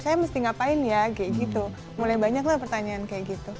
saya mesti ngapain ya mulai banyak lah pertanyaan kayak gitu